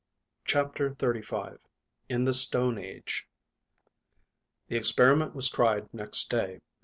CHAPTER THIRTY FIVE. IN THE STONE AGE. The experiment was tried next day.